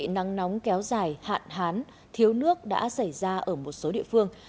nắng nóng kéo dài hạn hán thiếu nước đã xảy ra ở một số địa phương